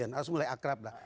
harus mulai akrab lah